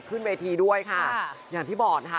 ขึ้นเวทีด้วยค่ะอย่างที่บอกนะคะ